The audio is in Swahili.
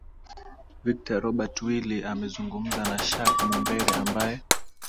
victor robert willi amezungumza na shaq mumbere ambae